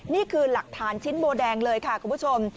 นี่คือหลักฐานชิ้นโบแดงเลยค่ะคุณผู้ชม